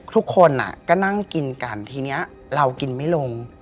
ทุกคนก็นั่งกินกันทีนี้เรากินไม่ลง